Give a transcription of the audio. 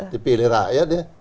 dipilih rakyat ya